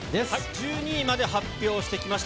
１２位まで発表してきました。